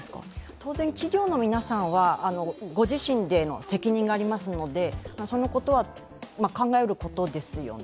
当然、企業の皆さんはご自身での責任がありますのでそのことは考えることですよね。